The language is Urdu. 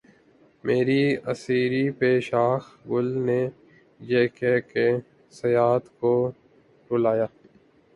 مری اسیری پہ شاخِ گل نے یہ کہہ کے صیاد کو رلایا